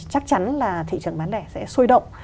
chắc chắn là thị trường bán lẻ sẽ sôi động